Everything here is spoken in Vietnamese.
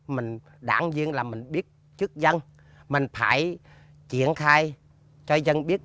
mình đảng viên là mình biết trước dân mình phải triển khai cho dân biết